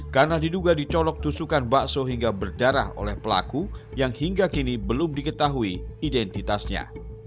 karena diduga dicolok tusukan bakso hingga berdarah oleh pelaku yang hingga kini belum diketahui identitasnya